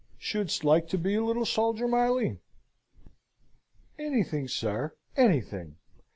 "Shouldst like to be a little soldier, Miley?" "Anything, sir, anything!